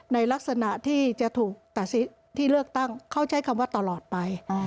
ในลักษณะที่จะถูกตัดที่เลือกตั้งเขาใช้คำว่าตลอดไป